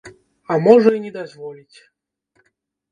А можа і не дазволіць.